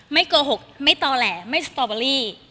ไม่โกหกไม่ตอแหละไม่สตอเบอร์รี่